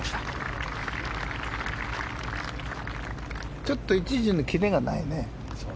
ちょっと一時のキレがないね。